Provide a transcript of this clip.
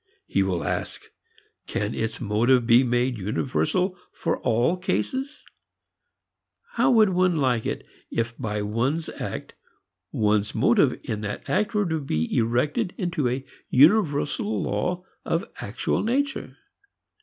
He will ask: Can its motive be made universal for all cases? How would one like it if by one's act one's motive in that act were to be erected into a universal law of actual nature?